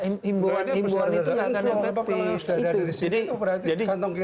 nah himbauan himbauan itu nggak akan efektif